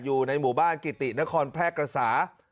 อยู่ในหมู่บ้านกิตินครแพร่กระสา